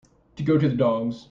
To go to the dogs.